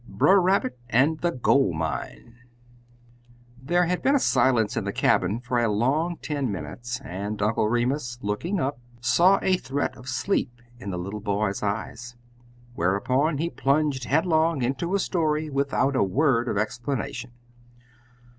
BRER RABBIT AND THE GOLD MINE There had been silence in the cabin for a long ten minutes, and Uncle Remus, looking up, saw a threat of sleep in the little boy's eyes. Whereupon he plunged headlong into a story without a word of explanation.